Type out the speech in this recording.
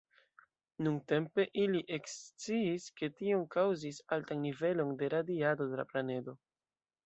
Nuntempe ili eksciis, ke tion kaŭzis altan nivelon de radiado de la planedo.